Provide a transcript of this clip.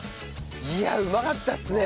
いやうまかったっすね。